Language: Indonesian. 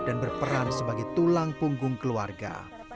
dan berperan sebagai tulang punggung keluarga